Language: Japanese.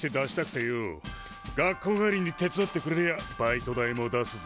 学校帰りに手伝ってくれりゃバイト代も出すぜ！